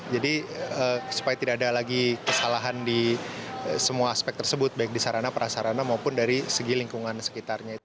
jadi supaya tidak ada lagi kesalahan di semua aspek tersebut baik di sarana prasarana maupun dari segi lingkungan sekitarnya